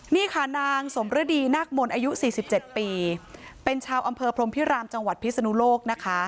นี่ค่ะนางสมฤดีนักมนต์อายุ๔๗ปีเป็นชาวอำเภอพรมพิรามจังหวัดพิศนุโลกนะคะ